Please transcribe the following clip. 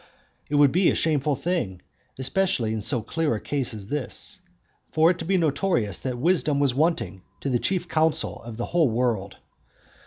It would be a shameful thing, especially in so clear a case as this, for it to be notorious that wisdom was wanting to the chief council of the whole world.